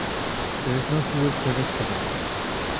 There is no whois service provided.